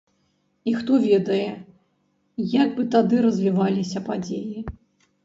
І хто ведае, як бы тады развіваліся падзеі.